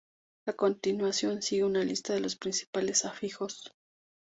A continuación sigue una lista de los principales afijos.